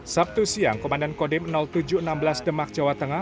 sabtu siang komandan kodim tujuh ratus enam belas demak jawa tengah